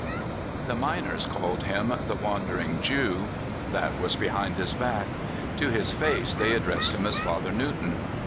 THE miners called him the " Wandering Jew." That was behind his back. To his face they addressed him as Father Newton.